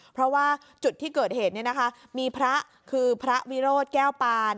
เพราะว่าจุดที่เกิดเหตุมีพระคือพระวิโรธแก้วปาน